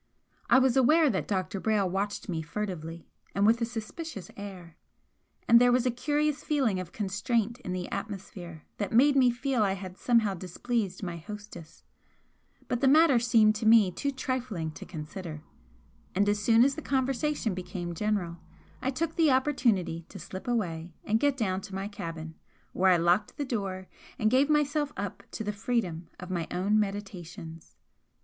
I was aware that Dr. Brayle watched me furtively, and with a suspicious air, and there was a curious feeling of constraint in the atmosphere that made me feel I had somehow displeased my hostess, but the matter seemed to me too trifling to consider, and as soon as the conversation became general I took the opportunity to slip away and get down to my cabin, where I locked the door and gave myself up to the freedom of my own meditations.